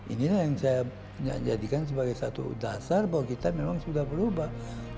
inilah yang saya jadikan sebagai satu dasar bahwa kita memang sudah berubah